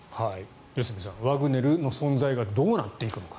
良純さんワグネルの存在がどうなっていくのか。